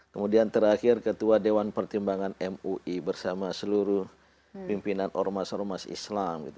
kemudian terakhir ketua dewan pertimbangan mui bersama seluruh pimpinan ormas ormas islam